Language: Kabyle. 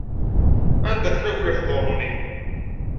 Anda-ten akk lehduṛ-nni.